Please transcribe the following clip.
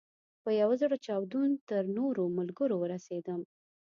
په یو زړه چاودون تر نورو ملګرو ورسېدم.